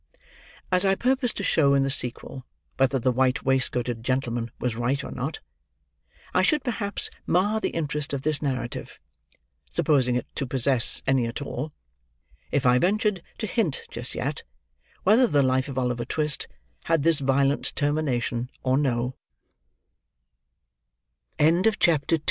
As I purpose to show in the sequel whether the white waistcoated gentleman was right or not, I should perhaps mar the interest of this narrative (supposing it to possess any at all), if I ventured to hint just yet, whether the life of Oliver Twist had this violent termination or no. CHAPTER III. RE